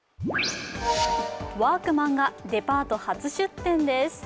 ワークマンがデパート初出店です。